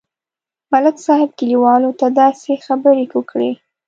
ملک صاحب کلیوالو ته داسې خبرې وکړې.